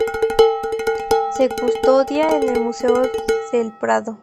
Se custodia en el Museo del Prado.